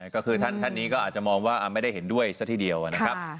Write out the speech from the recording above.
ก็คือท่านนี้ก็อาจจะมองว่าไม่ได้เห็นด้วยซะทีเดียวนะครับ